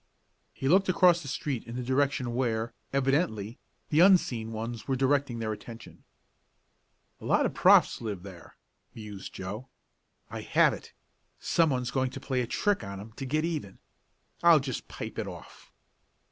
He looked across the street in the direction where, evidently, the unseen ones were directing their attention. "A lot of the profs. live there," mused Joe. "I have it! Some one's going to play a trick on 'em to get even. I'll just pipe it off!"